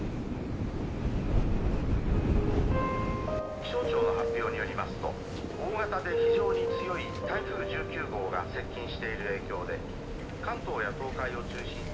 「気象庁の発表によりますと大型で非常に強い台風１９号が接近している影響で関東や東海を中心に」。